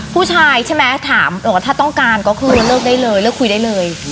ผู้ชายใช่ไหมถามว่าถ้าต้องการก็คือเลิกได้เลยเลิกคุยได้เลย